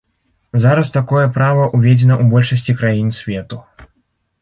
Зараз такое права ўведзена ў большасці краін свету.